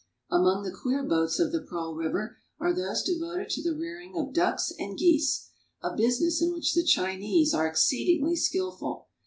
Among the queer boats of the Pearl River are those devoted to the rearing of ducks and geese, a business in which the Chinese are exceedingly skillful.